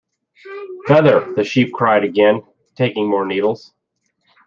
Feather!’ the Sheep cried again, taking more needles.